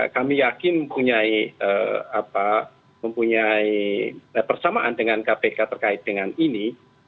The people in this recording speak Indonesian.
kami yakin mempunyai persamaan dengan kpk terkait dengan ini